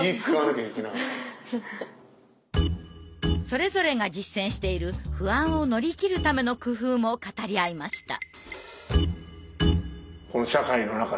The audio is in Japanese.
それぞれが実践している不安を乗り切るための工夫も語り合いました。